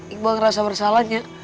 ikbo ngerasa bersalahnya